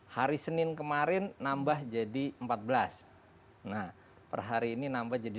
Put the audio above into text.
hari senin kemarin nambah jadi empat belas nah per hari ini nambah jadi